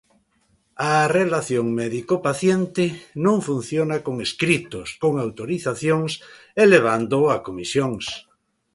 A relación médico-paciente non funciona con escritos, con autorizacións e levándoo a comisións.